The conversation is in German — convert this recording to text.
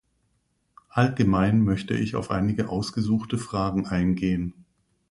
Allgemein möchte ich auf einige ausgesuchte Fragen eingehen.